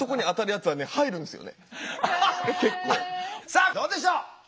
さあどうでしょう？